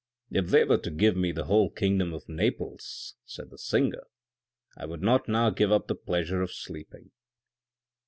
"If they were to give me the whole kingdon of Naples," said the singer, " I would not now give up the pleasure of sleeping."